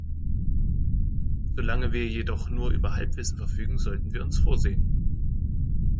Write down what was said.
Solange wir jedoch nur über Halbwissen verfügen, sollten wir uns vorsehen.